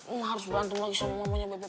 emak harus berantem lagi sama mamanya bebe